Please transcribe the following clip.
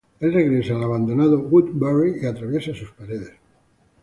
El regresa al abandonado Woodbury y atraviesa sus paredes.